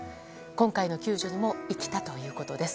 今回の救助にも生きたということです。